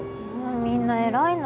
みんな偉いな。